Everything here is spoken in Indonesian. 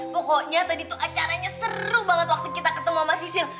pokoknya tadi tuh acaranya seru banget waktu kita ketemu sama mas issil